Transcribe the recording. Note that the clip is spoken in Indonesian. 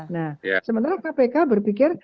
nah sementara kpk berpikir